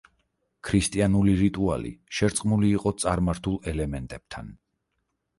ქრისტიანული რიტუალი შერწყმული იყო წარმართულ ელემენტებთან.